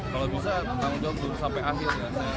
kalau bisa tanggung jawab dulu sampai akhir